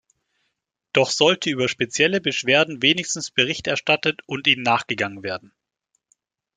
Doch sollte über spezielle Beschwerden wenigstens Bericht erstattet und ihnen nachgegangen werden.